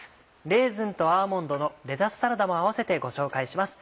「レーズンとアーモンドのレタスサラダ」も合わせてご紹介します。